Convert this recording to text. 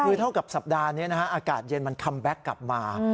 คือเท่ากับสัปดาห์นี้นะฮะอากาศเย็นมันคัมแบ็คกลับมา